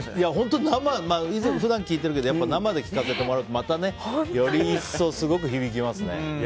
普段聴いてるけど生で聴かせてもらうとまたより一層すごく響きますね。